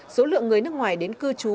số lượng người nước ngoài đến cư trú